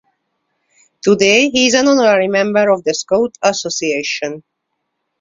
Today he is an honorary member of the Scout association.